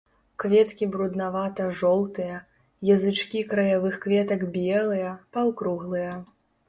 Кветкі бруднавата-жоўтыя, язычкі краявых кветак белыя, паўкруглыя.